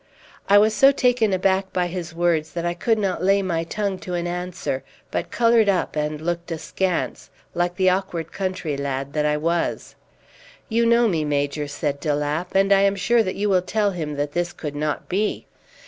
I was so taken aback by his words that I could not lay my tongue to an answer, but coloured up and looked askance, like the awkward country lad that I was. "You know me, Major," said de Lapp, "and I am sure that you will tell him that this could not be."